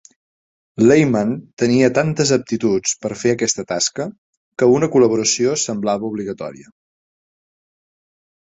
Layman tenia tantes aptituds per fer aquesta tasca que una col·laboració semblava obligatòria.